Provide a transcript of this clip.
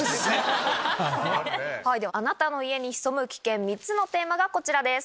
あなたの家に潜む危険３つのテーマがこちらです。